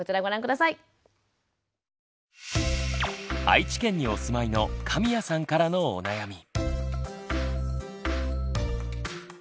愛知県にお住まいの神谷さんからのお悩み。